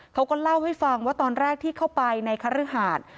เขาก็เล่าให้ฟังว่าตอนแรกที่เข้าไปในคฤหาส